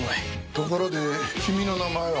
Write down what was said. ところで君の名前は？